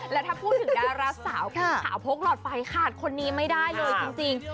แล้วถ้าพูดถึงดาราสาวพี่ขาวพกหลอดไฟขาดคนนี้ไม่ได้เลยจริง